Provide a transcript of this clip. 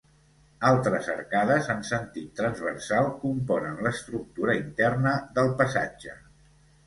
Altres arcades en sentit transversal componen l'estructura interna del passatge.